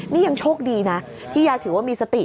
นี่ยังโชคดีนะที่ยายถือว่ามีสติ